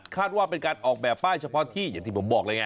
ว่าเป็นการออกแบบป้ายเฉพาะที่อย่างที่ผมบอกเลยไง